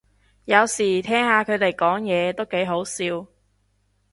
有時聽下佢哋講嘢都幾好笑